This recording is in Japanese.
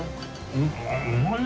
うまいね！